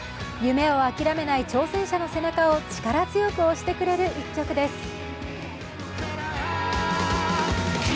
夢を諦めない挑戦者の背中を力強く押してくれる一曲です。